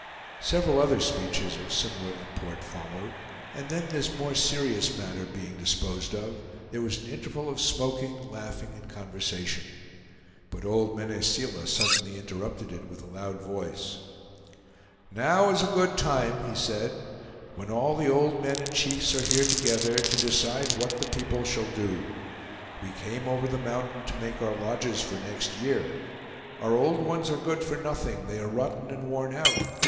Several other speeches of similar import followed, and then this more serious matter being disposed of, there was an interval of smoking, laughing, and conversation; but old Mene Seela suddenly interrupted it with a loud voice: "Now is a good time," he said, "when all the old men and chiefs are here together, to decide what the people shall do. We came over the mountain to make our lodges for next year. Our old ones are good for nothing; they are rotten and worn out.